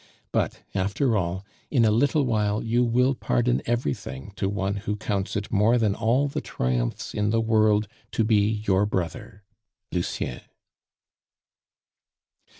But, after all, in a little while you will pardon everything to one who counts it more than all the triumphs in the world to be your brother, "LUCIEN."